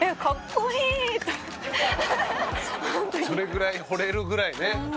それぐらい惚れるぐらいね。